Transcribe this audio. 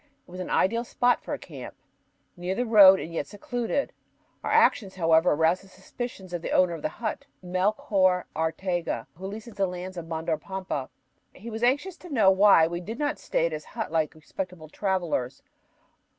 It was an ideal spot for a camp, near the road and yet secluded. Our actions, however, aroused the suspicions of the owner of the hut, Melchor Arteaga, who leases the lands of Mandor Pampa. He was anxious to know why we did not stay at his hut like respectable travelers.